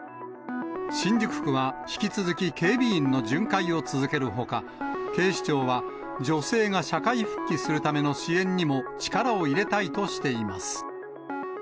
新宿区は引き続き警備員の巡回を続けるほか、警視庁は、女性が社会復帰するための支援にも力を入れたいとしています。